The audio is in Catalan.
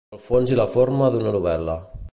El fons i la forma d'una novel·la.